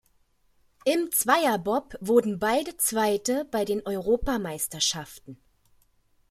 Im Zweierbob wurden beide Zweite bei den Europameisterschaften.